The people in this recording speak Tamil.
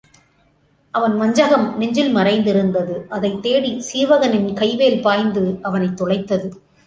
அவன் வஞ்சகம் நெஞ்சில் மறைந்திருந்தது அதைத் தேடிச் சீவகனில் கை வேல் பாய்ந்து அவனைத் துளைத்தது.